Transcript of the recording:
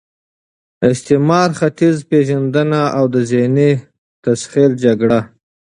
استعمار، ختیځ پېژندنه او د ذهني تسخیر جګړه